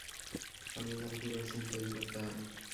আমিও জানি কীভাবে সিন তৈরি করতে হয়।